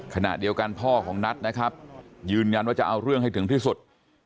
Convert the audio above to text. ขณะเดียวกันพ่อของนัทนะครับยืนยันว่าจะเอาเรื่องให้ถึงที่สุด